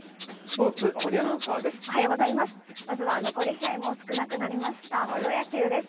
試合も少なくなりました、プロ野球です。